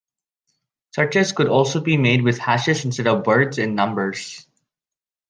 Searches could also be made with hashes instead of words and numbers.